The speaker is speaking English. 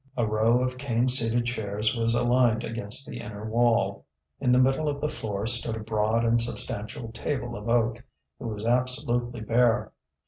A row of cane seated chairs was aligned against the inner wall. In the middle of the floor stood a broad and substantial table of oak; it was absolutely bare.